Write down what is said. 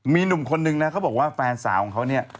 มีหนุ่มคนนึงนะเขาบอกว่าแฟนสาวของเขาเนี่ย